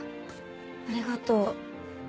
ありがとう。